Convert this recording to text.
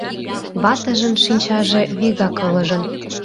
Ватыжын шинчаже вигак ылыжын: